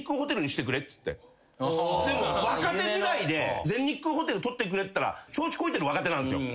でも若手時代で全日空ホテル取ってくれっつったら調子こいてる若手なんですよ。